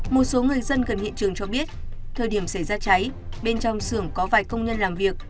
một số người dân gần hiện trường cho biết thời điểm xảy ra cháy bên trong xưởng có vài công nhân làm việc